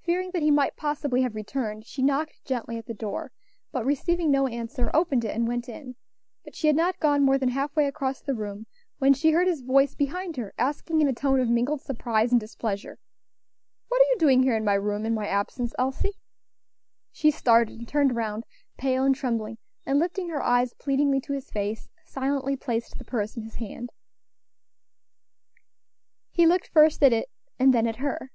Fearing that he might possibly have returned, she knocked gently at the door, but receiving no answer, opened it, and went in; but she had not gone more than half way across the room when she heard his voice behind her, asking, in a tone of mingled surprise and displeasure, "What are you doing here in my room, in my absence, Elsie?" She started, and turned round, pale and trembling, and lifting her eyes pleadingly to his face, silently placed the purse in his hand. He looked first at it, and then at her.